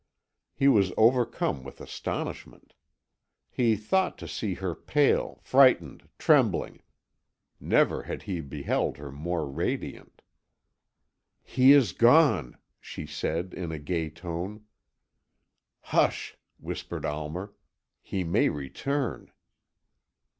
He was overcome with astonishment. He thought to see her pale, frightened, trembling. Never had he beheld her more radiant. "He is gone," she said in a gay tone. "Hush!" whispered Almer, "he may return."